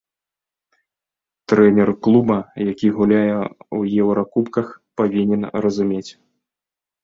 Трэнер клуба, які гуляе ў еўракубках, павінен разумець.